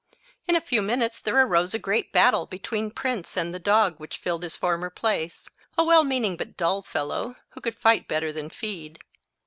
In a few minutes there arose a great battle between Prince and the dog which filled his former place—a well meaning but dull fellow, who could fight better than feed.